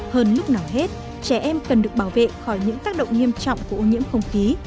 hơn lúc nào hết trẻ em cần được bảo vệ khỏi những tác động nghiêm trọng của ô nhiễm không khí